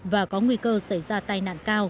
và có nguy cơ xảy ra tai nạn cao